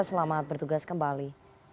selamat bertugas kembali